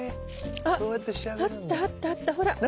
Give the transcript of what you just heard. あっあったあったあったほら。